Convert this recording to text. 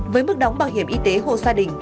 với mức đóng bảo hiểm y tế hộ gia đình